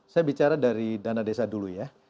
saya bicara dari dana desa dulu ya